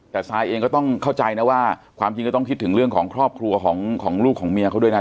แต่ซายเองก็ต้องเข้าใจนะว่าความจริงก็ต้องคิดถึงเรื่องของครอบครัวของลูกของเมียเขาด้วยนะ